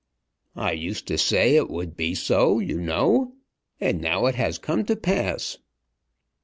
"I used to say it would be so, you know. And now it has come to pass."